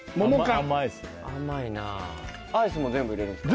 甘いなあアイスも全部入れるんですか？